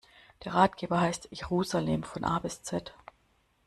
Der Ratgeber heißt: Jerusalem von A bis Z.